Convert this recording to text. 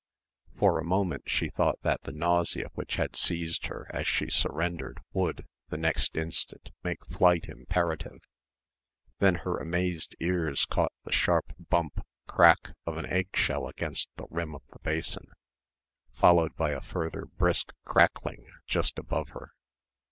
For a moment she thought that the nausea which had seized her as she surrendered would, the next instant, make flight imperative. Then her amazed ears caught the sharp bump crack of an eggshell against the rim of the basin, followed by a further brisk crackling just above her.